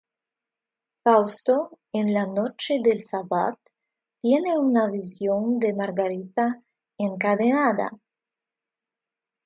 Fausto, en la noche del Sabbat, tiene una visión de Margarita encadenada.